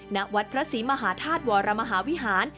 ณวัดพระศรีมหาธาตุวรมหาวิหาร